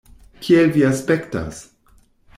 Kiel vi aspektas?